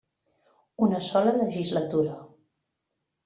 Una sola legislatura.